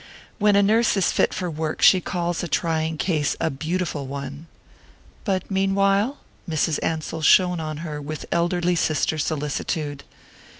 "When a nurse is fit for work she calls a trying case a 'beautiful' one." "But meanwhile ?" Mrs. Ansell shone on her with elder sisterly solicitude.